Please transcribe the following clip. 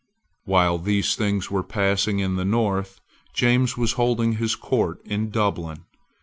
While these things were passing in the North, James was holding his court at Dublin.